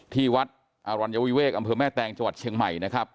ที่วัดอรัญวิเวกอำเภอแม่แตงจังหวัดเชียงใหม่นะครับ